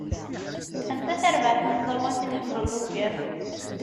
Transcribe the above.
Anta tarbaεt tamẓawant i tḥemmleḍ ugar?